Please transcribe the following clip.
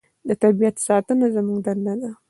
د طبیعت ساتنه زموږ دنده ده.